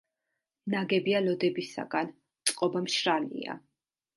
ნაგებია ლოდებისაგან, წყობა მშრალია.